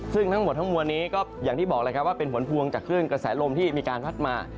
ซึ่งทั้งหมดทั้งมวลนี้ก็อย่างที่บอกแล้วครับว่าเป็นผลพวงจากคลื่นกระแสลมที่มีการพัดมา